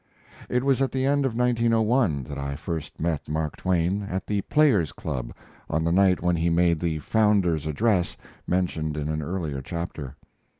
It was at the end of 1901 that I first met Mark Twain at The Players Club on the night when he made the Founder's Address mentioned in an earlier chapter.